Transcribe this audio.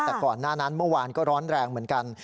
แต่ก่อนหน้านั้นเมื่อวานก็ร้อนแรงเหมือนกัน